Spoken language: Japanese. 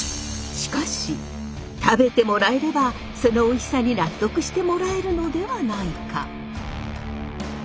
しかし食べてもらえればそのおいしさに納得してもらえるのではないか。